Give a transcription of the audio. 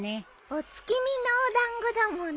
お月見のお団子だもんね。